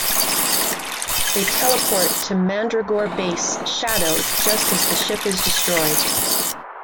They teleport to Mandragore base Shadow just as the ship is destroyed.